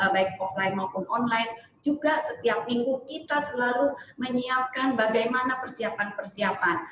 baik offline maupun online juga setiap minggu kita selalu menyiapkan bagaimana persiapan persiapan